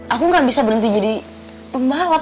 aku gak bisa berhenti jadi pembalap